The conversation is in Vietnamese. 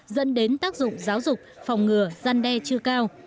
dẫn đến tác dụng giáo dục phòng ngừa gian đe chưa cao